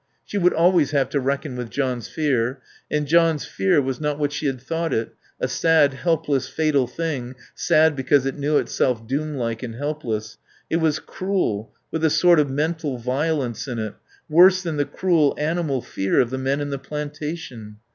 She would always have to reckon with John's fear. And John's fear was not what she had thought it, a sad, helpless, fatal thing, sad because it knew itself doom like and helpless. It was cruel, with a sort of mental violence in it, worse than the cruel animal fear of the men in the plantation.